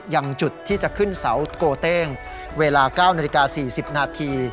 อย่างจุดที่จะขึ้นเสาโกเต้งเวลา๙นาฬิกา๔๐นาที